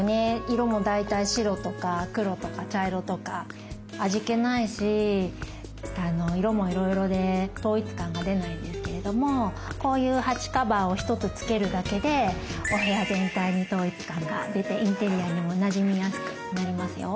色も大体白とか黒とか茶色とか味気ないし色もいろいろで統一感が出ないですけれどもこういう鉢カバーを一つつけるだけでお部屋全体に統一感が出てインテリアにもなじみやすくなりますよ。